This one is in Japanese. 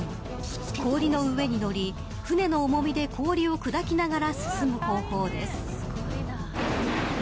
氷の上に乗り、船の重みで氷を砕きながら進む方法です。